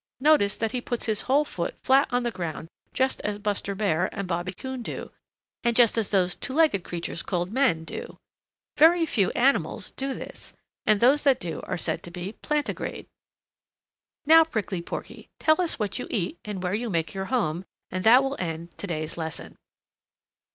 Notice that he puts his whole foot flat on the ground just as Buster Bear and Bobby Coon do, and just as those two legged creatures called men do. Very few animals do this, and those that do are said to be plantigrade. Now, Prickly Porky, tell us what you eat and where you make your home, and that will end today's lesson."